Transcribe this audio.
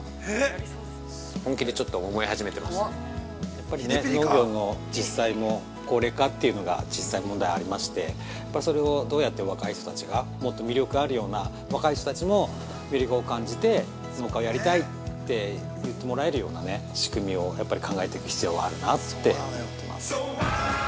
◆やっぱりね、農業の実際も高齢化というのが実際問題ありましてやっぱり、それをどうやって若い人たちがもっと魅力あるような若い人たちも魅力を感じて農家をやりたいって言ってもらえるような仕組みをやっぱり考えていく必要があるなって思ってます。